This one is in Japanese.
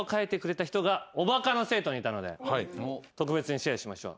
特別にシェアしましょう。